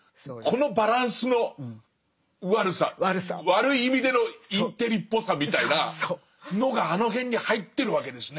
悪い意味でのインテリっぽさみたいなのがあの辺に入ってるわけですね。